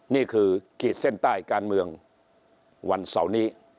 นี่คือขีดเส้นใต้การเมืองวันเสาร์นี้